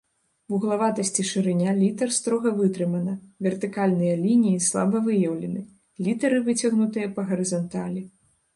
Вуглаватасць і шырыня літар строга вытрымана, вертыкальныя лініі слаба выяўлены, літары выцягнутыя па гарызанталі.